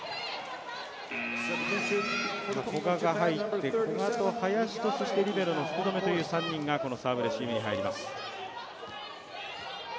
古賀が入って、古賀と林と、そしてリベロの福留という３人がこのサーブレシーブに入ります。